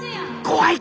怖い！